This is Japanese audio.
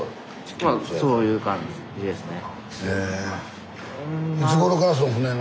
まあそういう感じですね。